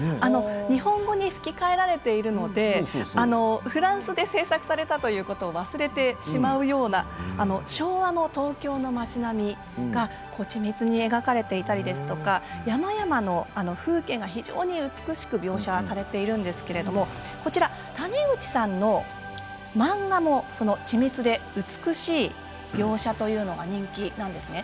日本語で吹き替えられているのでフランスで製作されたということを忘れてしまうような昭和の東京の町並みが緻密に描かれていたり山々の風景が非常に美しく描写されているんですけれどこちら、谷口さんの漫画も緻密で美しい描写というのが人気なんですね。